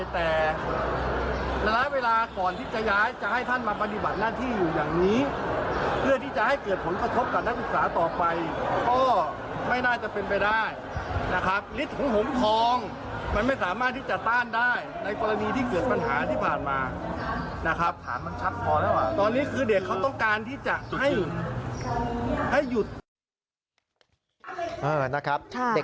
ตอนนี้คือเด็กเขาต้องการที่จะให้หยุด